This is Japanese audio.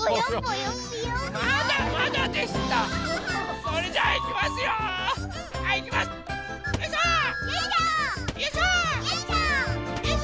よいしょ！